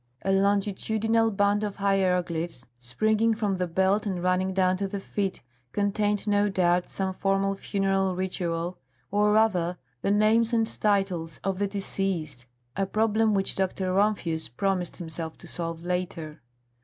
A longitudinal band of hieroglyphs, springing from the belt and running down to the feet, contained no doubt some formal funeral ritual, or rather, the names and titles of the deceased, a problem which Dr. Rumphius promised himself to solve later.